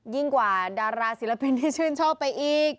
ยิ่งกว่าดาราศิลปินที่ชื่นชอบไปอีก